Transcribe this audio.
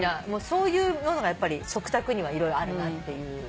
そういうのがやっぱり食卓には色々あるなっていう。